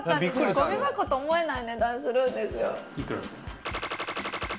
ごみ箱と思えない値段するんですよ。